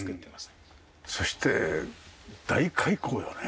そして大開口よね。